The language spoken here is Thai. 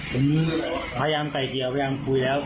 ผมพยายามไก่เกลียวพยายามคุยแล้ว